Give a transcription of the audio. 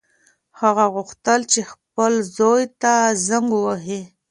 هغه غوښتل چې خپل زوی ته زنګ ووهي.